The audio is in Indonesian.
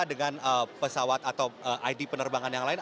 dengan pesawat atau id penerbangan yang lain